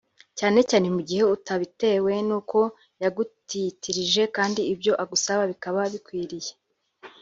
cyane cyane mu gihe utabitewe n’uko yagutitirije kandi ibyo agusaba bikaba bikwiriye